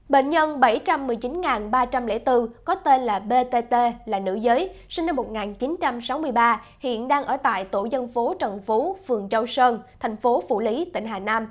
bệnh nhân bảy trăm một mươi chín ba trăm linh bốn có tên là btt là nữ giới sinh năm một nghìn chín trăm sáu mươi ba hiện đang ở tại tổ dân phố trần phú phường châu sơn thành phố phủ lý tỉnh hà nam